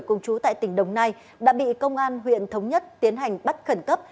cùng chú tại tỉnh đồng nai đã bị công an huyện thống nhất tiến hành bắt khẩn cấp